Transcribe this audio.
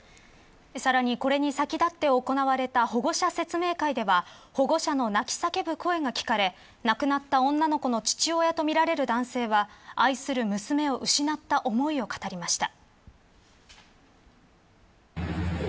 さらに、これに先立って行われた保護者説明会では保護者の泣き叫ぶ声が聞かれ亡くなった女の子の父親とみられる男性は愛する娘を失った思いを語りました。